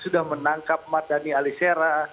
sudah menangkap mardhani alisera